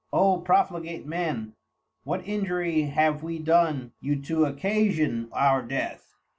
O profligate Men, what injury have we done you to occasion our death!